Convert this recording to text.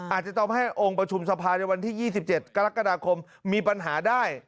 อาจจะทำให้องค์ประชุมสภาในวันที่๒๗กรกฎาคมมีปัญหาได้